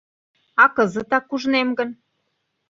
— А кызытак ужнем гын?